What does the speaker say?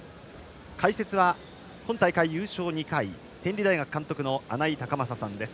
解説は本大会優勝２回天理大学監督の穴井隆将さんです。